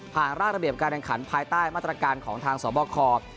ผ่านรากระเบียบการแรงขันภายใต้มาตรการของทางสวบอคคอร์